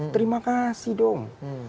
terima kasih dong